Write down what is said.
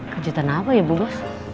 kejutan apa ya bulu